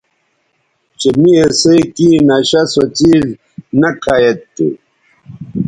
چہء می اِسئ کیں نشہ سو څیز نہ کھہ ید تھو